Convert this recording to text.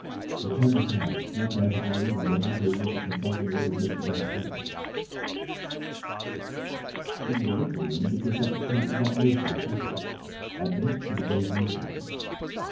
He turned aside, walked out of the room, and went into his little consulting room and lit the gas there. It was a little room, because Dr. Kemp did not live by practice, and in it were the day's newspapers.